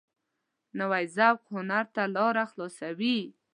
نوی ذوق هنر ته لاره خلاصوي